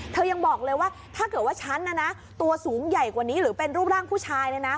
ยังบอกเลยว่าถ้าเกิดว่าฉันตัวสูงใหญ่กว่านี้หรือเป็นรูปร่างผู้ชาย